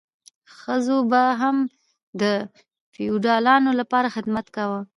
ښځو به هم د فیوډالانو لپاره خدمت کاوه.